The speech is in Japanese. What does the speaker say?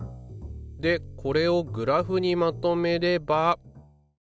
でこれをグラフにまとめれば。